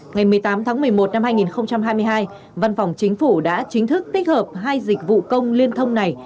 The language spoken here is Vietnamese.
ngày một mươi tám tháng một mươi một năm hai nghìn hai mươi hai văn phòng chính phủ đã chính thức tích hợp hai dịch vụ công liên thông này